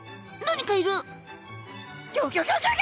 何かいる！